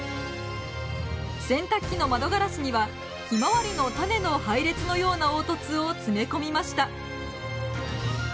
洗濯機の窓ガラスにはヒマワリの種の配列のような凹凸を詰め込みました。